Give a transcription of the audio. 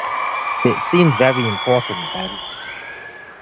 It seemed very important then.